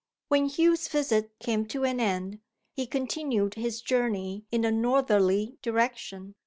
When Hugh's visit came to an end, he continued his journey in a northerly direction.